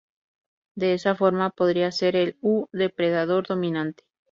¡ De esa forma podría ser el, uh, depredador dominante!